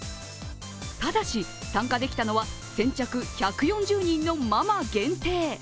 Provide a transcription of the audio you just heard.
ただし、参加できたのは先着１４０人のママ限定。